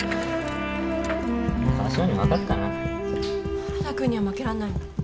原田君には負けられないもん